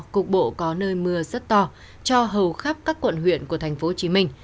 cục bộ có nơi mưa rất to cho hầu khắp các quận huyện của tp hcm